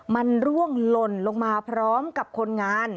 มันร่วงหล่นลงมาพร้อมกับคนงาน